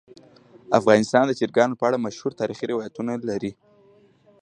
افغانستان د چرګانو په اړه مشهور تاریخی روایتونه لري.